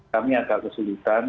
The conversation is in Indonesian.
kami agak kesulitan